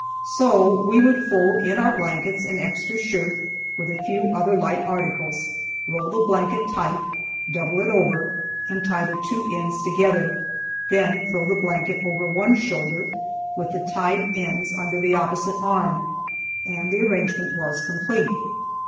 So we would fold in our blankets an extra shirt, with a few other light articles, roll the blanket tight, double it over and tie the two ends together, then throw the blanket over one shoulder, with the tied ends under the opposite arm and the arrangement was complete.